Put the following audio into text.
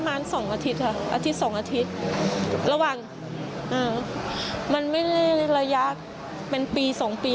ประมาณ๒อาทิตย์อาทิตย์๒อาทิตย์ระหว่างมันไม่ได้ระยะเป็นปี๒ปี